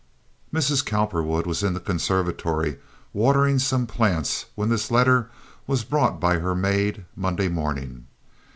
Mrs. Cowperwood was in the conservatory watering some plants when this letter was brought by her maid Monday morning.